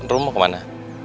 rum mau ke mana